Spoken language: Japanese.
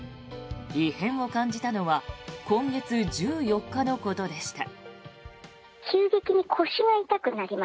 異変を感じたのは今月１４日のことでした。